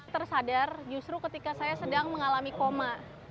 tersadar justru ketika saya sedang mengalami koma